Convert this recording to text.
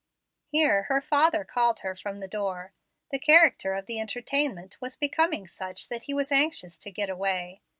Here her father called her from the door. The character of the entertainment was becoming such that he was anxious to get away.